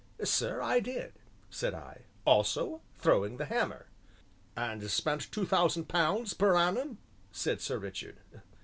"Sir, I did," said I; "also 'Throwing the Hammer.'" "And spent two thousand pounds per annum?" said Sir Richard.